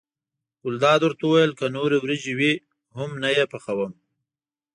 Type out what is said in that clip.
ګلداد ورته وویل که نورې وریجې وي هم نه یې پخوم.